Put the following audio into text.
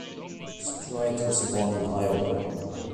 Strite was born in Iowa.